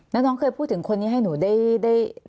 แล้วน้องเคยพูดถึงคนนี้ให้หนูได้